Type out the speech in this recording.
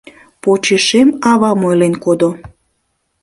Почешем авам ойлен кодо: